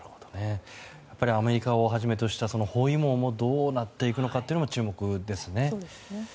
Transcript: やっぱりアメリカをはじめとした包囲網もどうなっていくのかも注目ですね。